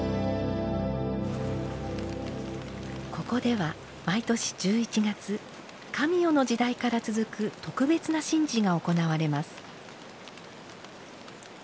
ここでは毎年１１月神代の時代から続く特別な神事が行われます。